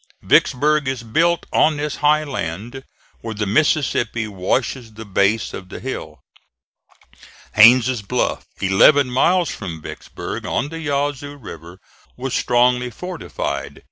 Vicksburg is built on this high land where the Mississippi washes the base of the hill. Haines' Bluff, eleven miles from Vicksburg, on the Yazoo River, was strongly fortified.